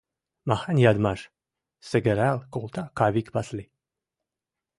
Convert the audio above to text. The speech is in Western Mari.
— Махань ядмаш! — сӹгӹрӓл колта Кавик Васли.